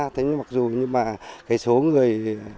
thế nhưng mặc dù như mà cái số người